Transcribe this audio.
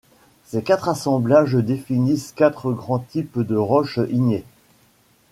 Ces quatre assemblages définissent quatre grands types de roches ignées.